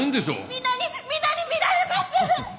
皆に皆に見られます！